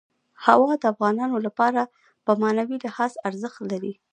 هوا د افغانانو لپاره په معنوي لحاظ ارزښت لري.